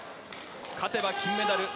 勝てば金メダル。